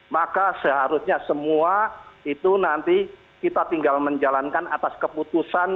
maka seharusnya semua itu nanti kita tinggal menjalankan atas keputusan